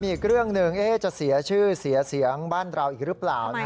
อีกเรื่องหนึ่งจะเสียชื่อเสียเสียงบ้านเราอีกหรือเปล่า